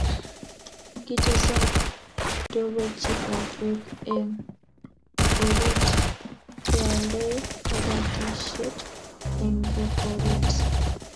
Kitesak togochikab Bek eng orit keoldoi kabatisiet eng beek orit